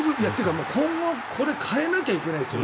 今後変えなきゃいけないですよ。